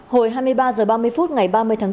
hồi hai mươi ba h ba mươi phút ngày ba mươi tháng bốn